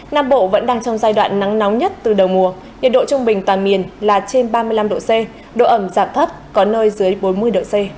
nam bộ vẫn đang trong giai đoạn nắng nóng nhất từ đầu mùa nhiệt độ trung bình toàn miền là trên ba mươi năm độ c độ ẩm giảm thấp có nơi dưới bốn mươi độ c